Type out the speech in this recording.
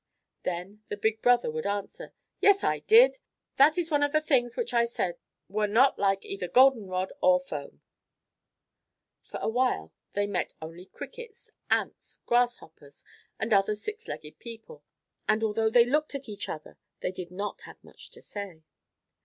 Then the big brother would answer: "Yes, I did. That is one of the things which I said were not like either golden rod or foam." For a while they met only Crickets, Ants, Grasshoppers, and other six legged people, and although they looked at each other they did not have much to say.